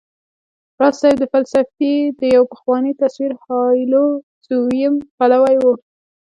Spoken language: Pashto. راز صيب د فلسفې د يو پخواني تصور هايلو زوييزم پلوی و